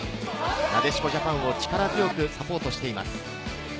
なでしこジャパンを力強くサポートしています。